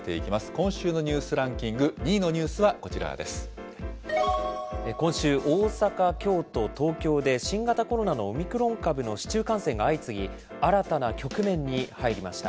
今週のニュースランキング、今週、大阪、京都、東京で新型コロナのオミクロン株の市中感染が相次ぎ、新たな局面に入りました。